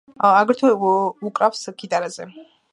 აგრეთვე უკრავს გიტარაზე.